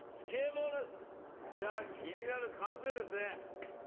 じゃあ、気になる缶詰ですね。